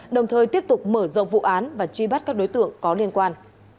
đồng thời tiếp tục mở rộng vụ án và truy bắt các đối tượng có liên quan